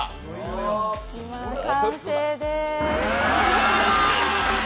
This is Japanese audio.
完成でーす。